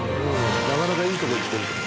なかなかいいとこいってる。